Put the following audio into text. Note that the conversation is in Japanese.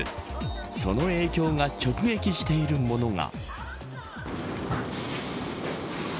その影響が直撃しているものが。